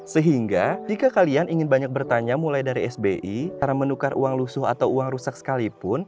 sehingga jika kalian ingin banyak bertanya mulai dari sbi karena menukar uang lusuh atau uang rusak sekalipun